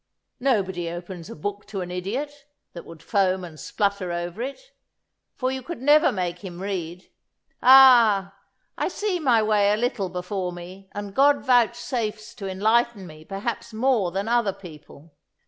Nobody opens a book to an idiot, that would foam and splutter over it; for you never could make him read. Ah! I see my way a little before me, and God vouchsafes to enlighten me perhaps more than other people....